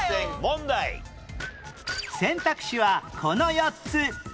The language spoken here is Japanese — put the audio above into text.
選択肢はこの４つ